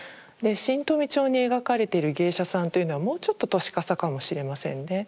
「新富町」に描かれている芸者さんというのはもうちょっと年かさかもしれませんで